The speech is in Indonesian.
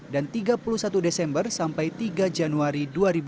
dan tiga puluh satu desember sampai tiga januari dua ribu dua puluh satu